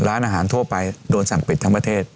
ร้านอาหารทั่วไปโดนสั่งปิดทั้งประเทศ